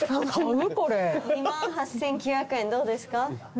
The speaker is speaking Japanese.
２万８，９００円どうですか。